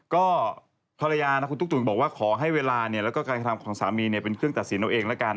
ก็ภรรยาคุณตุ๊กตุ๋นบอกว่าขอให้เวลาและการทำของสามีเป็นเครื่องตัดสินเอาเอง